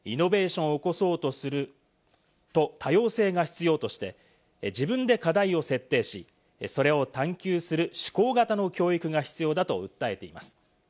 イノベーションを起こそうとすると多様性が必要として自分で課題を設定し、それを探求する思考型の教育が必要だと訴えています。